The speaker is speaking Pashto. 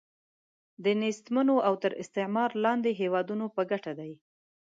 د نېستمنو او تر استعمار لاندې هیوادونو په ګټه دی.